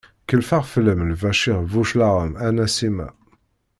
Kelfeɣ fell-am Lbacir Buclaɣem a Nasima!